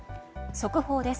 速報です。